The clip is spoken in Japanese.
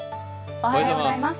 おはようございます。